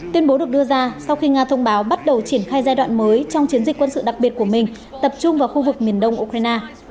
tuyên bố được đưa ra sau khi nga thông báo bắt đầu triển khai giai đoạn mới trong chiến dịch quân sự đặc biệt của mình tập trung vào khu vực miền đông ukraine